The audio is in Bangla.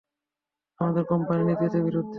আমাদের কোম্পানির নীতিতে বিরুদ্ধে।